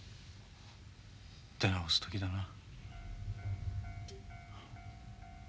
出直す時だな。